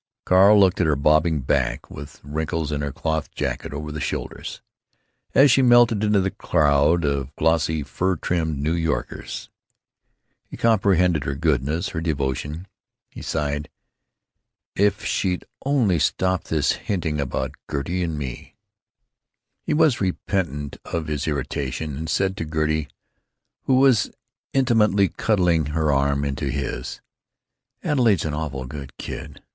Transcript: Carl looked at her bobbing back (with wrinkles in her cloth jacket over the shoulders) as she melted into the crowd of glossy fur trimmed New Yorkers. He comprehended her goodness, her devotion. He sighed, "If she'd only stop this hinting about Gertie and me——" He was repentant of his irritation, and said to Gertie, who was intimately cuddling her arm into his: "Adelaide's an awfully good kid.